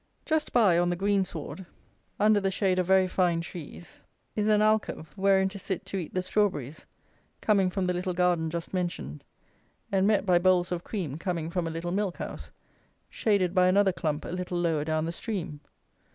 Just by, on the greensward, under the shade of very fine trees, is an alcove, wherein to sit to eat the strawberries, coming from the little garden just mentioned, and met by bowls of cream coming from a little milk house, shaded by another clump a little lower down the stream.